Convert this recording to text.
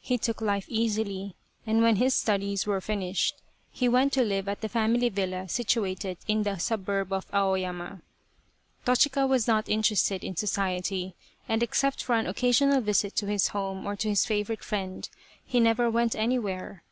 He took life easily, and when his studies were finished, he went to live at the family villa situated in the suburb of Aoyama. Toshika was not interested in society, and except for an occasional visit to his home or to his favourite friend, he never went anywhere.